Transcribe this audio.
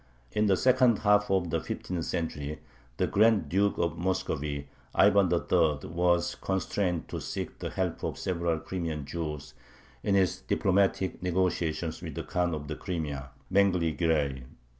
" In the second half of the fifteenth century the Grand Duke of Muscovy, Ivan III., was constrained to seek the help of several Crimean Jews in his diplomatic negotiations with the Khan of the Crimea, Mengli Guiray.